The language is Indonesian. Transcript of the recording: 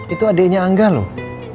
itu adiknya angga loh